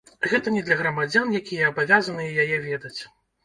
Гэта не для грамадзян, якія абавязаныя яе ведаць.